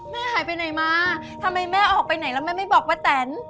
แม่หายไปไหนมาทำไมแม่ออกไปไหนแล้วแม่ไม่บอกป้าแตน